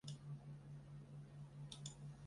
福建柏是柏科福建柏属唯一物种。